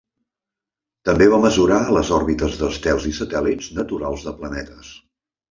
També va mesurar les òrbites d'estels i satèl·lits naturals de planetes.